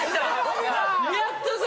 やったぜ！